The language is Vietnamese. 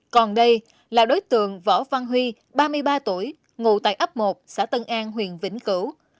còn đây là đối tượng võ văn huy ba mươi ba tuổi ngủ tại ấp một xã tân an huyện vĩnh cửu